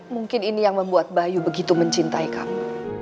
mungkin ini yang membuat bayu begitu mencintai kamu